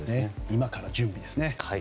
今から準備ですね。